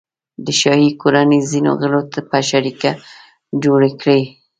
د شاهي کورنۍ ځینو غړو په شریکه جوړې کړي.